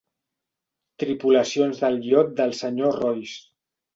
Tripulacions del iot del senyor Royce.